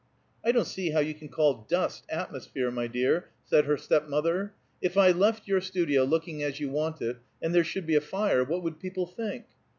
"I don't see how you can call dust atmosphere, my dear," said her stepmother. "If I left your studio looking as you want it, and there should be a fire, what would people think?"